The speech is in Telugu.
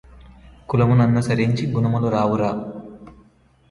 కులము ననుసరించి గుణములు రావురా